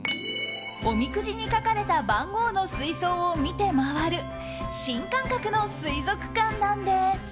おみくじに書かれた番号の水槽を見て回る新感覚の水族館なんです。